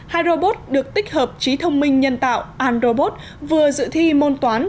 hai robot được tích hợp trí thông minh nhân tạo androbot vừa dự thi môn toán